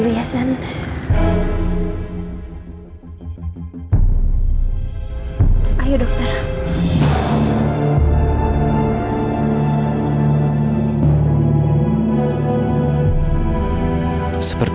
kita harus berangkat agak lebih cepat